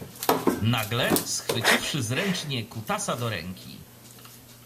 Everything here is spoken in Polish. Nagle, schwyciwszy zręcznie kutasa do ręki